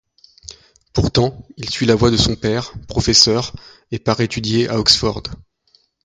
Pourtant, il suit la voie de son père, professeur, et part étudier à Oxford.